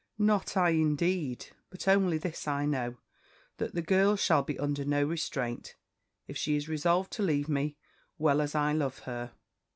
"'Not I, indeed; but only this I know, that the girl shall be under no restraint, if she is resolved to leave me, well as I love her.'